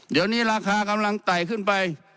เดี๋ยวนี้ราคากำลังไต่ขึ้นไป